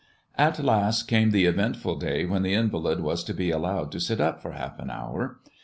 At last came the eventful day when the invalid was to be allowed to sit up for half an hour.